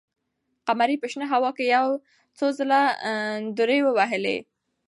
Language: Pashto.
قمري په شنه هوا کې یو څو ځله دورې ووهلې.